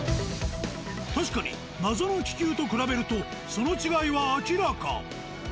確かに謎の気球と比べるとその違いは明らか。